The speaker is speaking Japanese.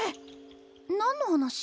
何の話？